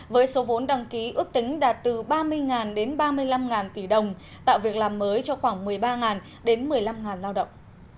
với số vốn đăng ký ước tính đạt từ ba mươi đến ba mươi năm tỷ đồng tạo việc làm mới cho khoảng một mươi ba đến một mươi năm lao động